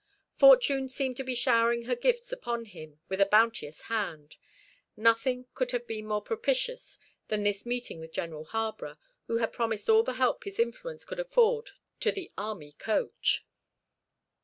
Fortune seemed to be showering her gifts upon him with a bounteous hand. Nothing could have been more propitious than this meeting with General Harborough, who had promised all the help his influence could afford to the army coach.